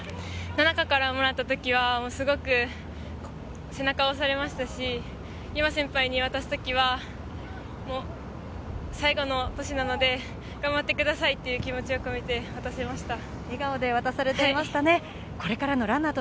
奈々香さんからもらった時はすごく背中を押されましたし、真由先輩に渡す時は最後の年なので頑張ってくださいという気持ちを込めて渡しました。